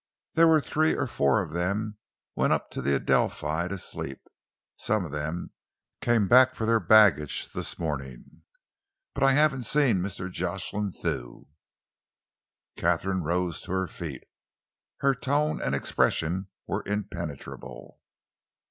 "There were three or four of them went up to the Adelphi to sleep. Some of them came back for their baggage this morning, but I haven't seen Mr. Jocelyn Thew." Katharine rose to her feet. Her tone and expression were impenetrable.